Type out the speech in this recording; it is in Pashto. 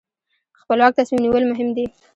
خپلواک تصمیم نیول مهم دي.